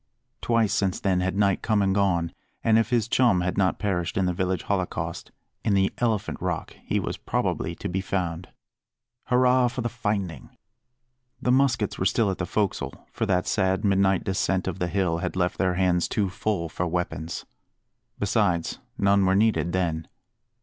Twice since then had night come and gone; and if his chum had not perished in the village holocaust, in the Elephant Rock he was probably to be found. Hurrah for the finding! The muskets were still at the "fo'csle," for that sad midnight descent of the hill had left their hands too full for weapons. Besides, none were needed then.